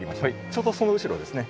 ちょうどその後ろですね。